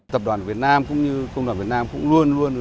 tập đoàn việt nam cũng như công đoàn việt nam cũng luôn là một tổ chức